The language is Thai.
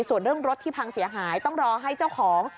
ส่วนเรื่องรถที่พังเสียหายต้องรอให้เจ้าของ